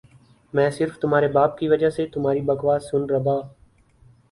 میں صرف تمہارے باپ کی وجہ سے تمہاری بکواس سن ربا